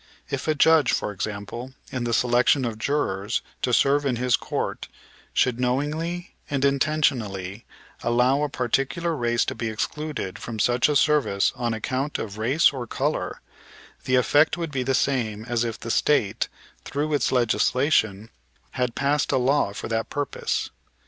If a judge, for example, in the selection of jurors to serve in his court should knowingly and intentionally allow a particular race to be excluded from such service on account of race or color, the effect would be the same as if the State, through its Legislature, had passed a law for that purpose.